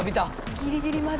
ギリギリまで。